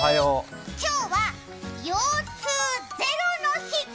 今日は腰痛ゼロの日。